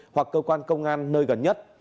hoặc cơ quan công an nơi gần nhất